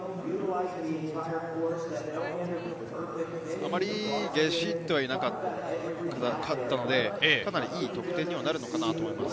あまりゲシっていなかったので、かなりいい得点になるのかなと思います。